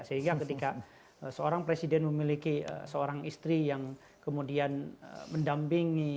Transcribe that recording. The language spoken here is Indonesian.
sehingga ketika seorang presiden memiliki seorang istri yang kemudian mendampingi